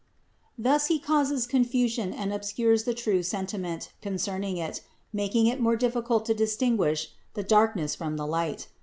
Thus he causes confusion and obscures the true sentiment concerning it, making it more difficult to distinguish the darkness from the light.